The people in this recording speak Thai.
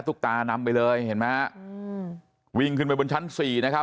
ตานำไปเลยเห็นไหมฮะอืมวิ่งขึ้นไปบนชั้นสี่นะครับ